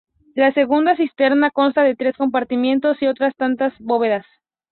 La segunda cisterna consta de tres compartimentos y otras tantas bóvedas.